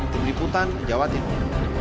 diri putan jawa timur